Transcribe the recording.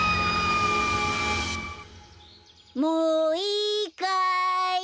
もういいかい。